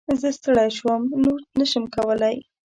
زه ستړی شوم ، نور نه شم کولی !